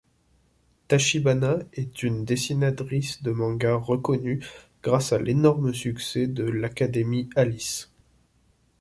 Tachibana est une dessinatrice de manga reconnue, grâce a l'énorme succès de l'Académie Alice.